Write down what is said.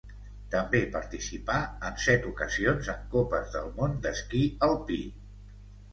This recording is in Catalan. També participà en set ocasions en Copes del Món d'esquí alpí.